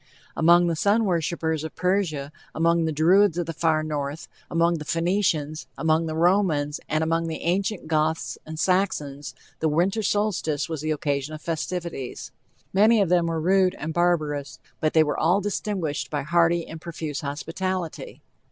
Among the sun worshipers of Persia, among the Druids of the far north, among the Phoenicians, among the Romans, and among the ancient Goths and Saxons the winter solstice was the occasion of festivities. Many of them were rude and barbarous, but they were all distinguished by hearty and profuse hospitality.